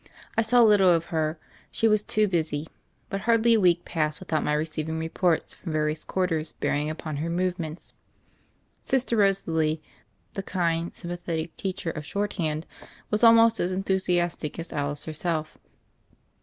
I saw little of her — she was too busy — but hardly a week passed without my receiving reports from va rious quarters bearing upon her movements. Sister Rosalie, the kind, sympathetic teacher of shorthand, was almost as enthusiastic as Alice herself.